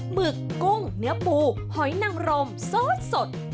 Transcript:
หึกกุ้งเนื้อปูหอยนังรมซอสสด